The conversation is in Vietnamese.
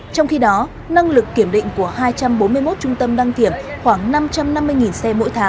trong khi đó năng lực kiểm định của hai trăm bốn mươi một trung tâm đăng kiểm khoảng năm trăm năm mươi xe mỗi tháng